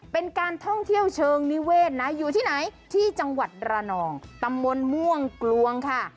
เป็นการท่องเที่ยวเชิงนิเวศนะอยู่ที่ไหนที่จังหวัดระนองตำบลม่วงกลวงค่ะ